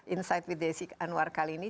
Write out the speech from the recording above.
insight with desi anwar kali ini